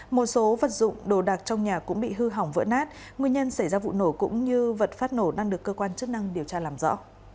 một số vật dụng đồ đạc trong nhà cũng bị hư hỏng vỡ nát nguyên nhân xảy ra vụ nổ cũng như vật phát nổ đang được cơ quan chức năng điều tra làm rõ